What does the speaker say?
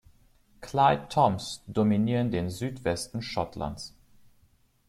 Clyde Tombs dominieren den Südwesten Schottlands.